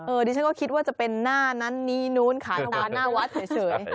ดิฉันก็คิดว่าจะเป็นหน้านั้นนี้นู้นขายตามหน้าวัดเฉย